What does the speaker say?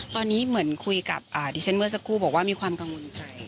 ตอนนี้เหมือนคุยกับดิฉันเมื่อสักครู่บอกว่ามีความกังวลใจ